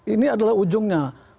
ini adalah ujungnya